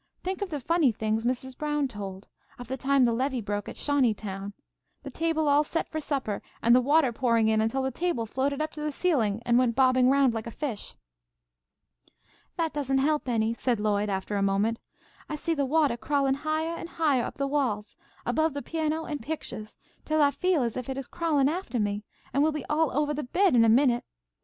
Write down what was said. "Think of the funny things Mrs. Brown told, of the time the levee broke at Shawneetown. The table all set for supper, and the water pouring in until the table floated up to the ceiling, and went bobbing around like a fish." "That doesn't help any," said Lloyd, after a moment. "I see the watah crawlin' highah and highah up the walls, above the piano and pictuahs, till I feel as if it is crawlin' aftah me, and will be all ovah the bed in a minute.